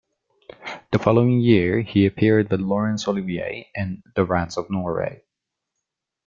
The following year he appeared with Laurence Olivier in "The Rats of Norway".